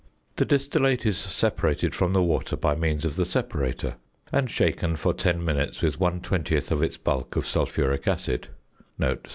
The distillate is separated from the water by means of the separator, and shaken for ten minutes with one twentieth of its bulk of sulphuric acid (sp.